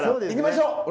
行きましょう。